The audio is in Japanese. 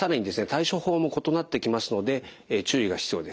対処法も異なってきますので注意が必要です。